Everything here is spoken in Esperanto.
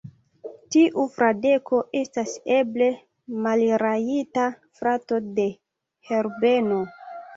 Tiu Fradeko estas eble malrajta frato de Herbeno.